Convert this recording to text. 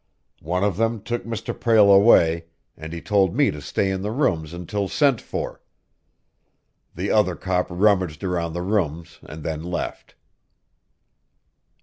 One of them took Mr. Prale away, and he told me to stay in the rooms until sent for. The other cop rummaged around the rooms and then left."